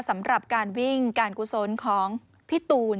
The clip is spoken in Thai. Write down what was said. สำหรับการวิ่งการกุศลของพี่ตูน